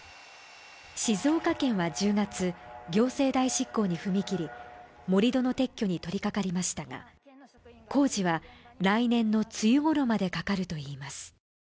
静岡県は１０月、行政代執行に踏み切り、盛り土の撤去に取りかかりましたが工事は来年の梅雨ごろまでかかるといいます。